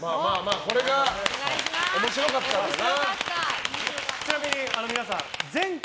これが面白かったらだな。